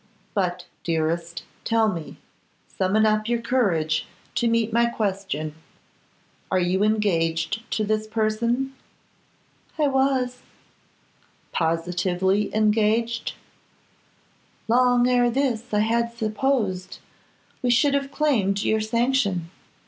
But, dearest, tell me; summon up your courage to meet my question. Are you engaged to this person?' 'I was.' 'Positively engaged?' 'Long ere this I had supposed we should have claimed your sanction.